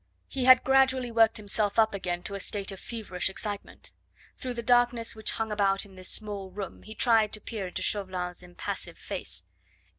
He had gradually worked himself up again to a state of feverish excitement. Through the darkness which hung about in this small room he tried to peer in Chauvelin's impassive face.